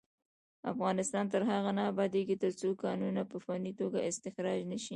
افغانستان تر هغو نه ابادیږي، ترڅو کانونه په فني توګه استخراج نشي.